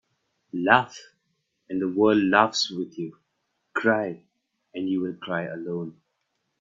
Laugh and the world laughs with you. Cry and you cry alone.